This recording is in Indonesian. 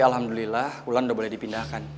alhamdulillah ular udah boleh dipindahkan